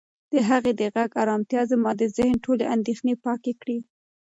د هغې د غږ ارامتیا زما د ذهن ټولې اندېښنې پاکې کړې.